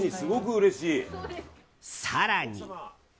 更に。